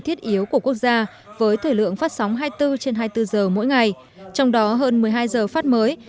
thiết yếu của quốc gia với thời lượng phát sóng hai mươi bốn trên hai mươi bốn giờ mỗi ngày trong đó hơn một mươi hai giờ phát mới